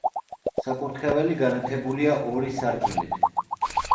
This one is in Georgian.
საკურთხეველი განათებულია ორი სარკმლით.